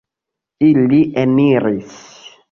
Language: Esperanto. Ili eniris.